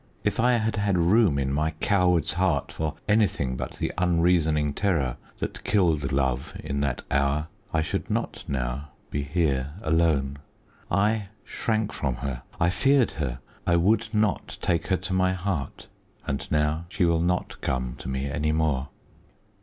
if I had had room in my coward's heart for anything but the unreasoning terror that killed love in that hour, I should not now be here alone. I shrank from her I feared her I would not take her to my heart. And now she will not come to me any more.